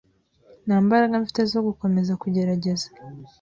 Nta mbaraga mfite zo gukomeza kugerageza.